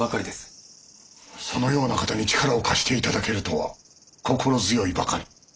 そのような方に力を貸して頂けるとは心強いばかり。